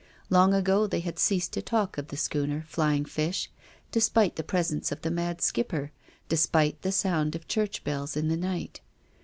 Long ago they had ceased to talk of the schooner " Flying Fish," despite the presence of the mad Skipper, despite the sound of church bells in the night.